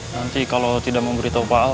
nanti kalau tidak mau beritahu pak al